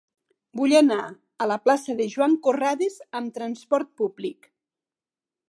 Vull anar a la plaça de Joan Corrades amb trasport públic.